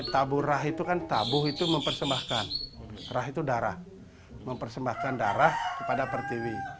taburah itu kan tabuh itu mempersembahkan darah kepada pertiwi